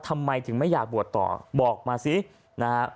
ทำไมถึงไม่อยากบวชต่อบอกมาสินะฮะ